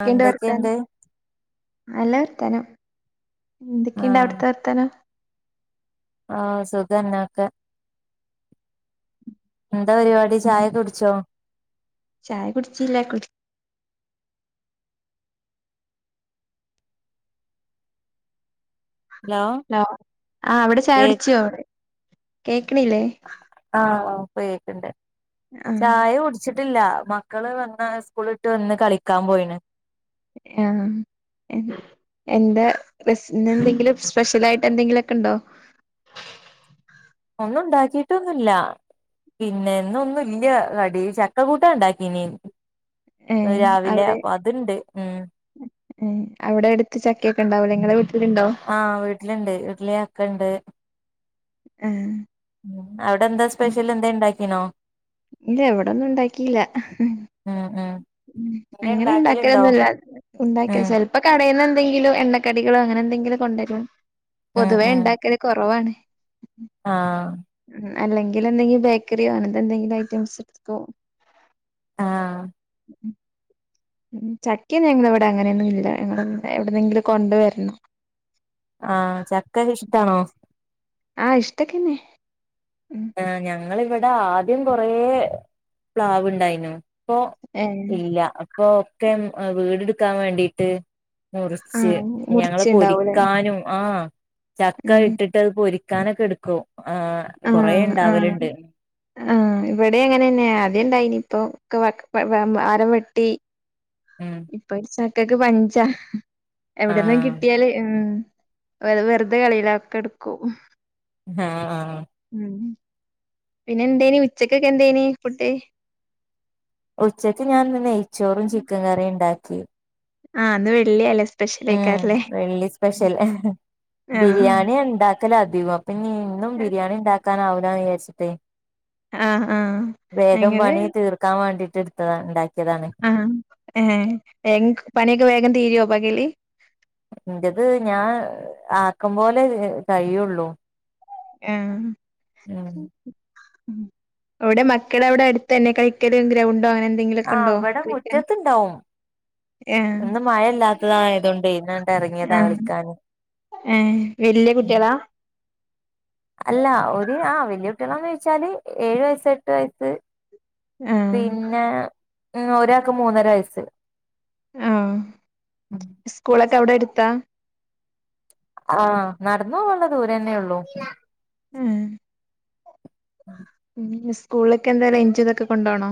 ക്ക്യന്റ് വർട്ടെ എന്തൊക്കെയുണ്ട് അല്ലെർ തെരം എന്തൊക്കെ ഇണ്ട് ആഹ് അവ്ട്ത്തെ വർത്താനം ആഹ് സുഖംന്നക്ക എന്താ പര്പാടി എന്ത് ചായ കുട്ച്ചോ ചായ കുടിചീല്ല കുടി ഹലോ ലോ ആഹ് ഇവടെ ചായ കേ കുട് ച്ചോറി കേക്ക് ക്ക്ണില്ലേ ആഹ് ഇപ്പ കേക്ക്ണ്ട് ചായ കുടിച്ചിട്ടില്ല മക്കൾ വന്ന് സ്കൂളിട്ട് വന്ന് കളിക്കാം പോയിന് ഹേ എൻ എന്റെ ബെസ്നെന്തെങ്കിലും സ്‌പെഷലായിട്ടെന്തെങ്കിലും ഇണ്ടോ ഒന്നും ഉണ്ടാക്കിട്ടൊന്നുല്ല പിന്നെ ഇന്ന് ഒന്നുല്ല കടി ചക്ക കൂട്ടാൻ ഇണ്ടാക്കിനി ഏ രാവിലെ അപ്പത്ണ്ട് ക്ക് ഹേ അവിടെ അടുത്ത് ചക്ക ഒക്കെ നടക്കൂലേ ഇങ്ങളെ വീട് ആ വീട്ടില്ണ്ട് വീട്ടിൽ ചക്കണ്ട് ആ അവിടെന്താ സ്‌പെഷലെന്തേ ഇണ്ടാ ഹിനോ ഇല്ലേ ഇവിടൊന്നും ഇണ്ടാക്കില്ല ഹ് ഹ് ഉം ഉം എന്തേ അങ്ങനെ ഉണ്ടാക്കലുണ്ടോ ണ്ടാക്കൊലൊന്നുല്ല ഉണ്ടാക്ക്യ ഉം ചെല്പ്പൊ കടേന്ന് ന്തെങ്കിലു എണ്ണ കടികൾ അങ്ങനെന്തെകിലും കൊണ്ടരും ഉം പൊതുവെ ഉം ഇണ്ടാക്കൽ കൊറവാണ് ആഹ് അല്ലങ്കിലെന്തെങ്കി ബേക്ക േറ്യാ അങ്ങനത്തെന്തെകിലൊ അയ്റ്റംസ് കൊ ആഹ് [unintelligible] ചക്ക്യന്നു ഞങ്ങളവ്ടെ അങ്ങനെന്നും ഇല്ല ഞങ്ങൾ എവ്ട്ന്നെങ്കിലു കൊണ്ട് വര്ണം ആഹ് ചക്കക്ഷ്ടാണോ ആ ഇഷ്ട്ടൊകെന്നെ ആ ഞങ്ങ ഞങ്ങൾ ഇവിടെ ആദിയം ഇവിടെ കുറേ പ്ലാവ് ഉണ്ടായിനു. പ്പോ ഏഹ് ഇല്ല പ്പൊ ഒക്കെ വീട് ഇടുക്കാൻ വേണ്ടിട്ട് മുറിച്ച്. ആഹ് ഞങ്ങൾ മുറിച്ചുണ്ടാവൂലേ പൊരിക്കാനും ആഹ് ചക്ക ഉം ഇട്ടിട്ട് അത് പൊരി ക്കാനൊക്കെ ഇടുക്കും. ആ ആ ആ ആ ഇവട്യിം അങ്ങനെന്നെ ആദ്യം ണ്ടായിനി. തോ ക് വക വാ മരം വെട്ടി. ഉം ഇപ്പരി ചക്- ക്കക് പഞ്ചാ- എവിടെന്നും ആഹ് കിട്ടിയാല് ഉം- [unintelligible] വെറുതെ കളിയില ഒക്കെ എടുക്കും. ആഹ് ആ ഉം പിന്നെ എന്തേന് ഉച്ചക്കൊക്കെ എന്തേന് ഫുഡ്. ഉച്ചക്ക് ഞാനിന്ന് നെയ്ചേറും, ചിക്കൻ കറിയും ഉണ്ടാ കി. ആഹ് ഇന്ന് വെള്ളി അലെ, ഉം വെള്ളി സ്പെഷ്യൽ ബിരിയാണി ആഹ് ഉണ്ടാ കല അധികം. പിന്നെ ഇന്നും ബിരിയാണി ഉണ്ടാ കാനാവുല്ലന്നെ വിചാരിച്ചിട് ആഹ് ആഹ് വേഗം പണി തീർക്കാൻ വേണ്ടി ടുത്തത് ഉണ്ടാ ആ ഏഹ് [unintelligible] പണിയൊക്കെ വേഗം തീരോ. പകലെ എൻ്റെത് ഞാൻ അകം പോലെ കഴിയുള്ളൂ. ആഹ് ഉം ഉം എവ്ടെ മക്കളവിടെ എടുത്തെന്നെ കളികല് ഗ്രൗണ്ട് ആ വെടെ മുറ്റത്ത്ണ്ടാഉ ആഹ് ഇന്ന് മഴല്ലാത്തതായതോണ്ട് ഇന്നണ്ട് ഇറങ്ങിയതാ ആഹ് കളിക്കാന് ഏഹ് വല്യ കുട്ടികളാ അല്ല ഒര് ആ വല്യയ കുട്ടിളാന്നോയ്ച്ചാല് ഏഴു വയസ്സ് എട്ട് വയസ്സ് ആഹ് പിന്നെ ഉം ഒരാൾക്ക് മൂന്നര വയസ് ആഹ് സ്കൂളൊക്കെ അവിടെ എട് ത്താ ആഹ് നടന്ന് പൊവനുള്ള ദൂരന്നെ ഉള്ളു. ഹിം. ഉം. സ്കൂളിലൊക്കെ എന്താ ലഞ്ച് ഇതൊക്കെ കൊണ്ടോണോ?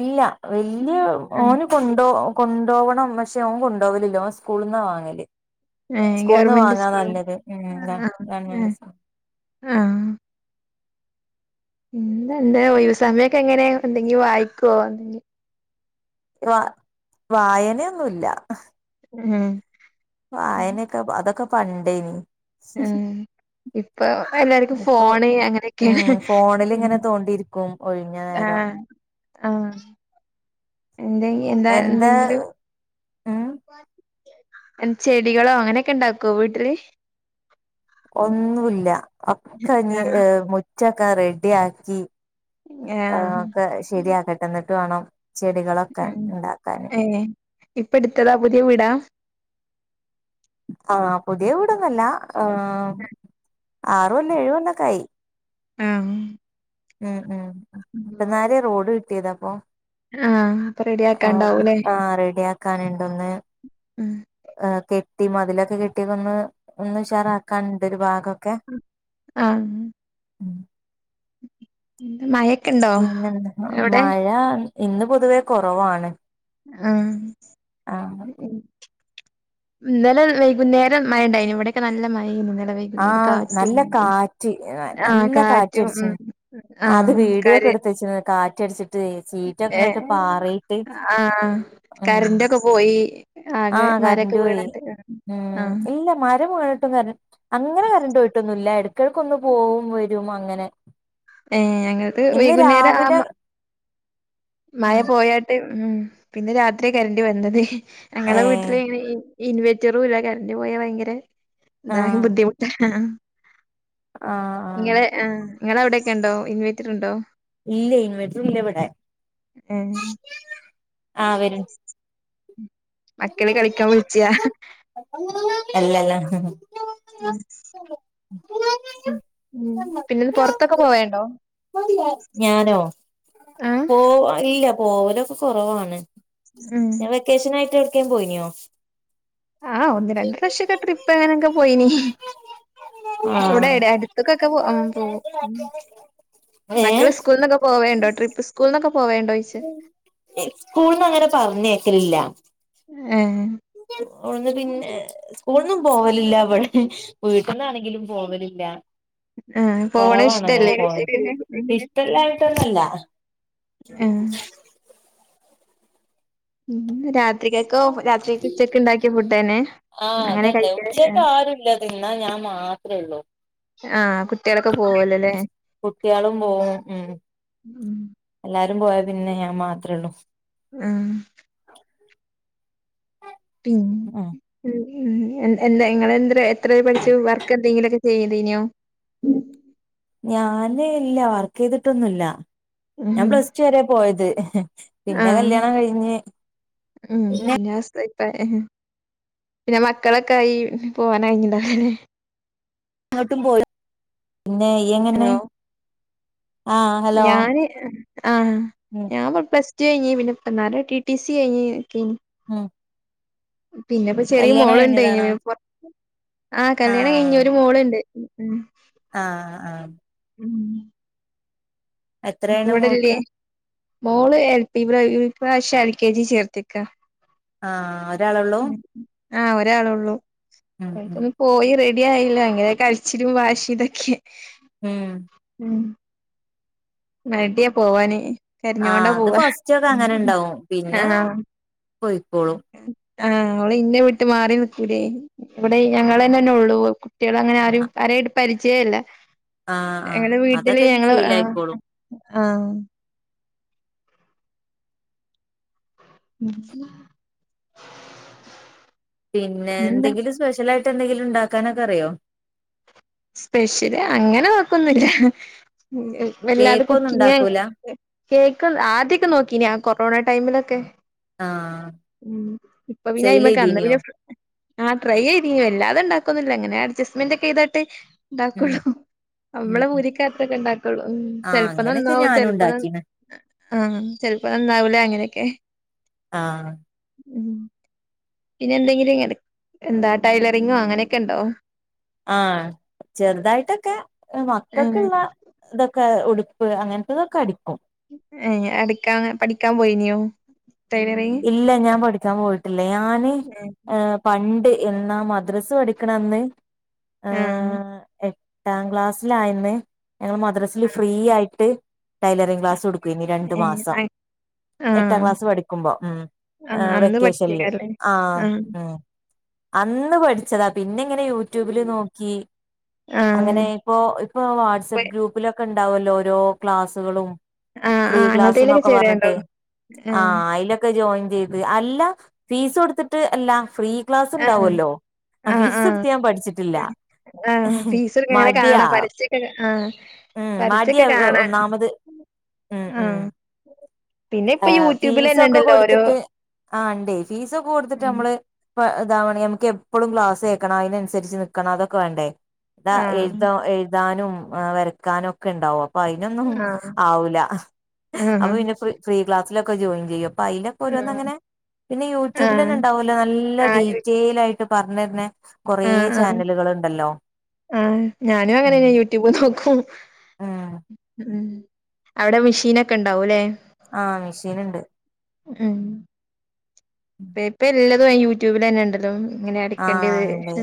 ഇല്ല വല്യ ആഹ് ഓന് കൊണ്ടോ കൊണ്ടോവണം പക്ഷെ ഓൻ കൊണ്ടോവലില്ല ഓൻ സ്കൂളിന്നാ വാങ്ങല്. ഏഹ് സ്കൂളിൽന്ന് ഗവർമെന്റ് വാങ്ങാ സ്കൂളാ നല്ലത് ഉം ആഹ് ഗവൺമെന്റ് എഹ് ആഹ്. പിന്നെ എന്താ ഒഴിവ് സമയൊക്കെ എങ്ങനെ എന്തെങ്കി വായിക്കുവോ? വാ വായനൊന്നുല്ല. ഉം. വായനൊക്കെ അതൊക്കെ പണ്ടേ [unintelligible] ഇപ്പൊ എല്ലാർക്കും ഇപ്പൊ ഫോൺ ഉം അങ്ങനെയൊക്കെയാണ് ഫോണിൽ ഇങ്ങനെ തോണ്ടിയിരിക്കും ഒഴിഞ്ഞ നേരം ആഹ് ആഹ് എന്തെ എന്താ എന്തെങ്കിലും. ഉം ചെടികളോ അങ്ങനെയൊക്കെ ഇണ്ടാക്കോ വീട്ടില്? ഒന്നുമില്ല ഒക്കെ ഇനി ആഹ് എഹ് മുറ്റമൊക്കെ റെഡി ആക്കി ആഹ് ആക്കെ ശരിയാക്കട്ടെന്ന് എന്നിട്ട് വേണം. ചെടികളൊക്കെ ഉം ഇണ്ടാക്കാന് ഏഹ് ഇപ്പ ഇട്ത്തതാ പുതിയ വീടാ ആഹ് പുതിയ വീടൊന്നു അല്ലാ ആഹ് ആറുകൊല്ലം ഏഴുകൊല്ലൊക്കായി ആഹ് ഉം ഉം ഇപ്പന്നാരെ റോഡ് കിട്ടിയത് അപ്പൊ ആഹ് അപ്പൊ റെഡിയാക്കാ ഇണ്ടാവൂലേ ക്കാനെ ഒന്ന് ആഹ് കെ ട്ടി മതിലൊക്കെ കെട്ടിയൊക്കൊന്ന് ഒന്ന് ഉഷാറാക്കാണ്ട് ഒരു ഭാഗൊ ആഹ് ഉം എന്ത് മഴെ പിന്നെന്ത് മഴ ഇ ഇന്ന് പൊതുവേ കൊറവാണ് ആഹ് ഉം ഉം ഇന്നലെ വൈകുന്നേരം മഴ ഉണ്ടായിന് ഇവിടെക്കെ നല്ല മഴയിനു ആഹ് നല്ല കാറ്റ് ആഹ് നല്ല കാറ്റ് കാറ്റും അടിച്ച് ഉം അത് ആഹ് വീഡിയോ ഒക്കെ കര് എടുത്ത് വെച്ച് കാറ്റ് റ്റടിച് ഏഹ് ആഹ് ഉം കറന്റ്‌ ഒക്കെ പോയി ആകെ ആഹ് മരൊക്കെ കറന്റ് പോയി വീണാണ്ട് ഉം ആഹ് ഇല്ല മരം വീ അങ്ങനെ കരണ്ട് പോയിട്ടൊന്നും ഇല്ല എ ഇടക്കിടക്കൊന്ന് പോവും വരും അ അങ്ങനെ ഏഹ് ഞങ്ങടത് ഇന്ന് വൈകുന്നേരം ആ രാവിലെ മയ ഉം പോയാട്ട് ഉം പിന്നെ രാത്രി കരന്റ് വന്നത് ഞങ്ങളെ ഏഹ് വീട്ടില് ഇൻ ഇൻവെറ്ററും ഇല്ല കറണ്ട് പോയാ ഭയങ്കരെ അതാകെ ബുദ്ധിമുട്ട ആ ആ നിങ്ങൾെവിടെയൊക്കെ ഉണ്ടോ ഇൻവേറ്റർ ഉണ്ടോ ഇല്ലേ ഇൻവേർട്ടർ ഇല്ല ഇവിടെ ഏഹ് ആ വര [inaudible] മക്കള് കളിക്കാൻ വിളിച്ചാ അല്ലല്ല പിന്നെന്ന് പൊറത്തൊക്കെ പോവേണ്ടോ ഞാനോ ആഹ് പോ ഇല്ല പോവലൊക്കെ കുറവാണ് ഉം ഞാൻ വെക്കേഷൻ ആയിട്ട് [unintelligible] പോയിനോ ആഹ് ഒന്ന് രണ്ട് പ്രാവശ്യൊക്കെ ട്രിപ്പ് എങ്ങനൊക്കെ പോയിനി ഇവിടെ ആഹ് അടുത്തൊക്കൊക്കെ പോ ഏ മക്കള് സ്കൂളന്നൊക്കെ പോവേണ്ടോ ട്രിപ്പ് സ്കൂളന്നൊക്കെ സ്കൂളന്ന് അങ്ങനെ പറഞ്ഞയ്ക്ക ലില്ല ഏ അവിന്ന് പിന്നെ സ്കൂളന്നും പോവലില്ല അവിടെ വീട്ടന്നാണെങ്കിലും പോവലില്ല ആഹ് പോവണ കൊറവാണ അങ്ങനെ ഇഷ്ടല്ലേ പോണത് കുട്ടികക്കൊക്കെ ഉം ഇഷ്ടല്ലായിട്ടൊന്നല്ല [inaudible] [inaudible] ആഹ് ഉം രാത് ആ അങ്ങനെ അതന്നെ കഴിക്കല് ഉച്ചേക്ക് ആരുല്ല തിന്നാൻ ഞാൻ മാത്രേ ഉള്ളൂ. ആഹ് കുട്ടികളൊക്കെ പോവല്ലോല്ലേ കുട്ടികളും പോകുംഉം ഉം എല്ലാരും പോയ പിന്നെ ഞാൻ മാത്രേ ഉള്ളൂ. ആ ഉം പിന്നെ എ [unintelligible] ങ്ങെളെ എന്ത്രെ ന എത്ര വരെ പഠിച്ചു? വർക്ക് എന്തെങ്കിലൊക്കെ ചെയ്യതീഞ്ഞോ? ഞാന് ഇല്ല വർക്ക് യ്തിട്ടൊന്നുല്ല ഞാൻ ഉം പ്ലസ് ടു വരെ പോയത് ഹെ ഹേ പിന്നെ ആഹ് കല്യാണം കഴിഞ്ഞ് ന്നെ പ ഹെ ഹേ പിന്നെ മക്കളൊക്കെ ആയി പോവാനഴിഞ്ഞില്ല. ആട്ടും പോലെ ന്നെ യ്യ് എങ്ങനെ ഹലോ ആഹ് ഹലോ ഞാന് ആ ഉം ഞാമ് പ്ലസ് ടു കഴിഞ്ഞ് പിന്നെ പിന്നാലെ ടി ടി സി കഴിഞ് പി ഉം- പിന്നെപ്പോ ചെറിയ കല്യാണം മോളുണ്ട് കഴിഞ്ഞതാണോ [unintelligible] ആ കല്യാണം കഴിഞ്ഞ് ആഹ് ഒരു മോള്ണ്ട്- ഉം- ആഹ് ആഹ് - ഉം- എത്രയാണ് മോക്ക്- ഇവടെല്ലേ മോള് എൽ പി ഇപ്ര ഇപ്രാവശ്യം എൽ കെ ജി ചേർത്തക്ക- ആഹ് അ ഒരാള ഒള്ളൂ- ആഹ് ഒരാള ഉള്ളൂ- [inaudible] പോയി റെഡ് ടിആയില്ല ഇങ്ങനെ കരച്ചിലും വാശി ഇതൊക്കെ- ഉം- മട്യാ പോവാന്- ആഹ് കരഞ്ഞോണ്ടാ അത് പോവാ ഫസ്റ്റ്ക്കെ അങ്ങനെ ഉം ഇണ്ടാവും പിന്നെ ആഹ് പോയിക്കോളും- ആഹ് അവളിന്നെ വീട്ട് മാറി നിക്കൂലേ. ഇവിടെ ഞങ്ങളന്നെന്നെ ഉള്ളൂ കുട്ടികൾ അങ്ങനെ ആരും ആരേട്ടും പരിചയമില്ല. ആഹ് ആഹ് ഞങ്ങടെ വീട്ടില് അതൊക്കെ ഇനി ഞങ്ങള് ആ ശീലായിക്കോളും ആ പിന്നെ പിന്നെന്താ എന്തെങ്കിലും സ്പെഷ്യൽ ആയി ട്ടെന്തെങ്കിലും ഇണ്ടാക്കാനൊക്കെ അറിയോ? സ്പെഷ്യല് അങ്ങനെ വെക്കൊന്നും ഇല്ല വല്ലാതെ കേക്ക് ഒന്നും കുക്കിങ് ഉണ്ടാക്കൂല കേക്ക് ആദ്യൊക്കെ നോക്കീന് കൊറോണ ടൈമിലക്കെ ആഹ് ഉ ഇപ്പൊ പിന സെയിൽ ഇമ കന്ന ചെയ്തീനിയോ പിന്ന [inaudible] ആ ടൈ ചെയ്തിരിക്കുംല്ലതും ഉണ്ടാക്കുന്നില്ല അങ്ങനെ അ്ജസ്റ്റ് മെന്റിക്കെ ഇത ഉം ഉണ്ടാക്കുള്ളൂ ഉം നമ്മള ഉം പൂരിക്കത്തൊക്കെ ഉണ്ടാക്കുള്ളൂ ആഹ് ചെിലപ്പോം അങ്ങനെയൊക്കെ നന്നാവും ഞാനും ചെിലപ്പോ ഉണ്ടാക്കീണ് ആ ചെിലപ്പോ നന്നാവൂലേ അങ്ങനെയൊക്കെ ആഹ ഉം പിന്നെ എന്തെങ്കിലും ഇങ്ങനെ എന്താ ടൈലറിങ്ങോ അങ്ങനെയൊക്കെ ഉണ്ടോ ആഹ ചെറുതായിട്ടൊക്കെ ഏഹ് മക്കൊക്കുള്ള ഇത [inaudible] ഉടുപ്പ് അങ്ങനത്തതൊക്കെ അടിക്കും ഏ അടിക്കാ പഠിക്കാൻ പോയിനോ ഇല്ല ഞാൻ പഠിക്കാൻ പോയിട്ടില്ല ഞാന് ഏ പണ്ട് എ [unintelligible] മദ്രസ പഠിക്കണന്ന് ആഹ് [unintelligible] [unintelligible] ട്ടാം ക്ലാസ്സിലായ [unintelligible] ഞങ്ങള് മദ്രസ്സൈല് ഫ്രീ ആയിട്ട് ടെയ്‌ലറിങ് ക്ലാസ് [unintelligible] [unintelligible] ഇനി രണ്ടു മാസം ഏഹ് എട്ടാം ആഹ് ക്ലാസ് പഠിക്കുമ്പോ [unintelligible] ആഹ് അന്ന് വെക്കേഷനല് പഠിച്ചേക്കാല്ലേ ആ ആഹ് ഉം അന്ന് പഠിച്ചതാ പിന്നെ ഇങ്ങനെ യൂട്യൂബില് നോക്കി ആഹ് അങ്ങനെ ഇപ്പൊ ഇപ്പോ വാട്സ് ആപ്പ് ഗ്രൂപ്പില് ഒക്കെ ഉണ്ടാവല്ലോ ഓരോ ക്ലാസ്സുകളും ആഹ് ഫ്രീ ആഹ് അങ്ങനത്തേലൊക്കെ ക്ലാസ്ന്നൊക്കെ ചേരേണ്ടോ പറഞ്ഞിട്ട് ആ ഏഹ് അയില് ജോയിൻ ചെയ്ത് അല്ല ഫീസ് കൊടുത്തിട്ട് അല്ല ക്ലാസ് ആഹ് ഉണ്ടാവല്ലോ ആ ആഹ് ഫീസ് ആഹ് എടുത്ത് ഞാൻ പഠിച്ചിട്ടില്ല ആഹ് ഫീസൊക്കെ [inaudible] ഇങ്ങനെ മടിയാ കാണാം പരസ്യൊക്കെ ആഹ് ഉം മടിയാ പരസ്യൊക്കെ കാണാ ഒന്നാമത് ഉം ഉം ആഹ് പിന്നെ ആ ഇപ്പൊ യൂട്യൂബിലെന്നെ ഫീസൊക്കെ ഇണ്ടല്ലോ ഓരോ കൊടുത്തിട്ട് ആ ഉണ്ടേ ഫീസൊക്കെ കൊടുത്തിട്ട് നമ്മള് [unintelligible] നമുക്ക് എപ്പോളം ക്ലാസ് കേക്കണം അയിനനുസരിച് നിക്കണം അതൊക്കെ വേണ്ടേ ഇതാ ആഹ് എഴുത എഴുതാനും വരക്കാനൊക്കെ ഉണ്ടാവും അ അപ്പ അയിനൊന്നും ആഹ് ആവൂല ആഹാ. അപ്പൊ പിന്നെ ഫ്രീ ക്ലാസ്സിലൊക്കെ ജോയിൻ ചെയ്യും അപ്പൊ അയിലൊക്കെ ഓരോന്ന് ആഹ്. അങ്ങനെ പിന്നെ ആഹ്. യൂട്യൂബിൽന്ന ഉണ്ടാവല്ലോ നല്ല ആഹ് യൂ ഡീറ്റെയിൽ ആയിട്ട് [unintelligible] പറഞ്ഞിരുന്നേ ആഹ് ആഹ് ആ ഞാനും ഉം അങ്ങനന്നേ യൂട്യൂബ് നോക്കും. ഉം ഇം അവിടെ മെഷീനൊക്കെ ഇണ്ടാവൂല്ലേ? ആഹ് മെഷീനിണ്ട്. പേപ്പെല്ലാ [unintelligible] യൂട്യൂബില് തന്നെ എണ്ടല്ലോ. ഇങ്ങനെ ആ അടക്കെണ്ടത്. ഉണ്ട്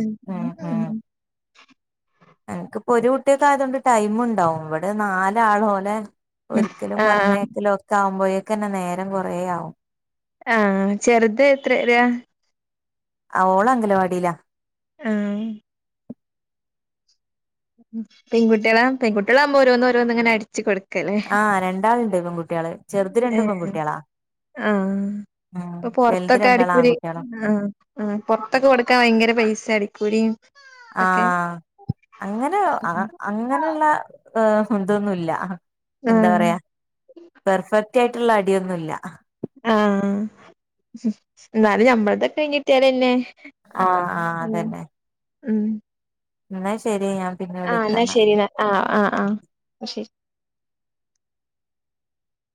അനക്കിപ്പ ഒരു കുട്ടിയൊക്കെ ആയതുകൊണ്ട് ടൈം ഇണ്ടാവും ഇവിടെ നാലാളോലെ ഉം ഒരിക്കലും ആഹ് പറഞ്ഞയക്കലും ഒക്കെ ആകുമ്പയേ എനക്കന്നെ നേരം കൊറേ ആവും. ആ ചെറുത് എത്രയിലാ? അവള് അംഗലവാടിയിലാ. ആം. പെൺ കുട്ടികളാ പെൺകുട്ടികളാകുമ്പോ ഓരോന്ന് ഓരോന്ന് ഇങ്ങനെ അടിച്ചു കൊടു ക്കല്ലേ ആഹ് രണ്ടാളുണ്ട് പെൺകുട്ടികള് ചെറുത് രണ്ട് പെൺകുട്ടികളാ ആഹ് ഉം ഇപ്പോ വലുത് പൊറത്തൊക്കെ രണ്ടാള് അടിക്കൂല് ആൺകുട്ടികളാ ആഹ് ആഹ് പൊറത്തൊക്കെ കൊടുക്കാൻ ഭയങ്കര പൈസ ആയി [unintelligible] ആഹ് അങ്ങനെ അ അങ്ങനെയൊള്ള ഹ് ഉം ഇതൊന്നുമില്ല. എന്താ ആഹ് പറയാ പെർഫെക്ട്. വൃത്തിയായിട്ടുള്ള അടിയൊന്നുമില്ല. ആഹ് എന്നാലും നമ്മളതൊക്കെ കഴിഞ്ഞിട്ടിയാലെന്നെ ആ ആ ഉം അതന്നെ. ഉം. എന്നാ ശരി. ഞാൻ പിന്നെ ആഹ് എന്നാ വിളിക്കാന്നാല് ശരി എന്നാ ആഹ് ആഹ് ആഹ് ശരി.